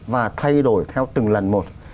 và thay đổi theo từng lần một